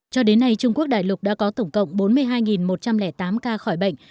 cho đến nay trung quốc đại lục đã có tổng cộng bốn mươi hai một trăm linh tám ca khỏi bệnh